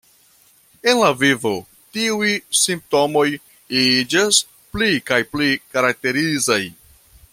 En la vivo tiuj simptomoj iĝas pli kaj pli karakterizaj.